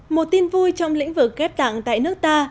một tin vui trong lĩnh vực ghép tạng tại nước ta